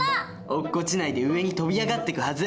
落っこちないで上に飛び上がってくはず。